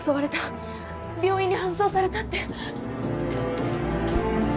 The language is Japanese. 病院に搬送されたって。